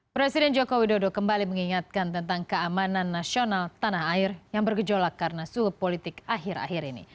presiden joko widodo kembali mengingatkan tentang keamanan nasional tanah air yang bergejolak karena suhu politik akhir akhir ini